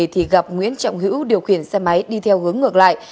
thì gặp nguyễn trọng hữu điều khiển xe máy đi theo hướng ngược lại